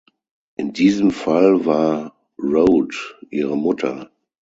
In diesem Fall war Rhode ihre Mutter.